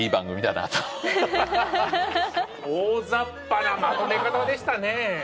大ざっぱなまとめ方でしたねぇ。